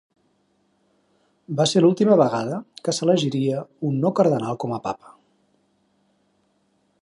Va ser l'última vegada que s'elegiria un no cardenal com a papa.